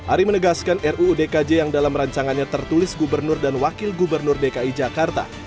ari menegaskan ruu dkj yang dalam rancangannya tertulis gubernur dan wakil gubernur dki jakarta